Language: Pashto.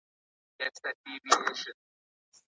ولي هڅاند سړی د پوه سړي په پرتله موخي ترلاسه کوي؟